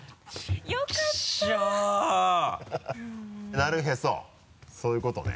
なるへそそういうことね。